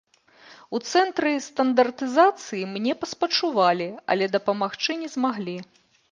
У цэнтры стандартызацыі мне паспачувалі, але дапамагчы не змаглі.